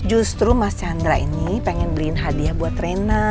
justru mas chandra ini pengen beliin hadiah buat rena